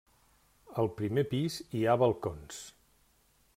Al primer pis hi ha balcons.